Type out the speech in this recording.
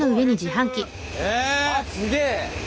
あっすげえ！